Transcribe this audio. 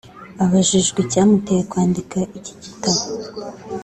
Abajijwe icyamuteye kwandika iki gitabo